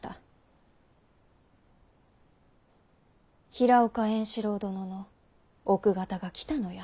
平岡円四郎殿の奥方が来たのや。